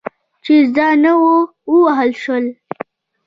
چې زده نه وو، ووهل شول.